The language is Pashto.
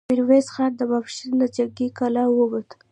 ميرويس خان ماسپښين له جنګي کلا ووت،